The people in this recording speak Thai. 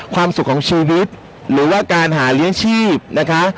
ความสุขของชูวิทย์หรือว่าการหาเลี้ยงชีพนะคะ